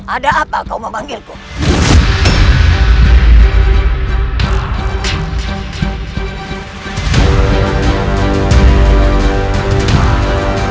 ada apa kau mau panggil kok